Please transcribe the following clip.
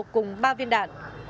cùng ba viên đạn